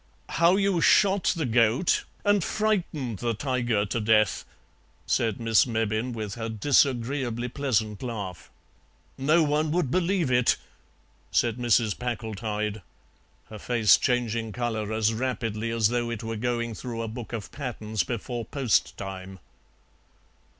"How you shot the goat and frightened the tiger to death," said Miss Mebbin, with her disagreeably pleasant laugh. "No one would believe it," said Mrs. Packletide, her face changing colour as rapidly as though it were going through a book of patterns before post time.